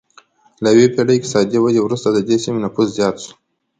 له یوې پېړۍ اقتصادي ودې وروسته د دې سیمې نفوس زیات شو